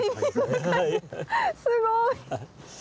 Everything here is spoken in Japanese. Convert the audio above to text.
すごい。